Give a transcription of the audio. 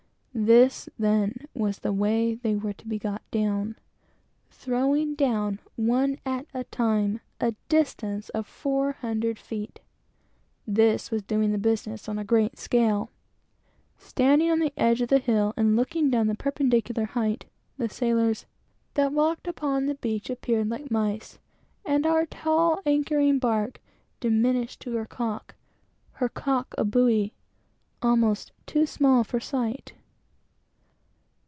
This, then, was the way they were to be got down: thrown down, one at a time, a distance of four hundred feet! This was doing the business on a great scale. Standing on the edge of the hill and looking down the perpendicular height, the sailors, "That walk upon the beach, Appeared like mice; and our tall anchoring bark Diminished to her cock; her cock a buoy Almost too small for sight."